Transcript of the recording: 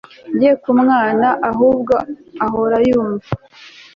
ye ku mwana ahubwo ahora yumva